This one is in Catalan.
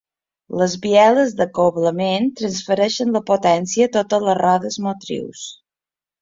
Les bieles d'acoblament transfereixen la potència a totes les rodes motrius.